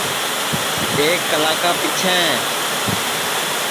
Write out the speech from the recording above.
ایک کلا کا پیچھیں